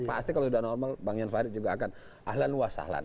pasti kalau sudah normal bang yan fadlid juga akan ahlan was ahlan